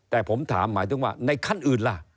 แต่ผมถามหมายถึงว่าในขั้นอื่นล่ะ